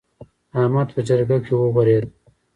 احمد په جرګه کې وغورېد.